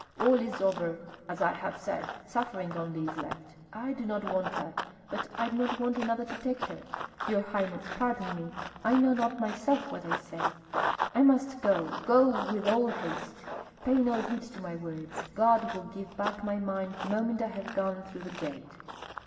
All is over, as I have said, suffering only is left. I do not want her, but I do not want another to take her. Your highness, pardon me, I know not myself what I say. I must go, go with all haste! Pay no heed to my words, God will give back my mind the moment I have gone through the gate."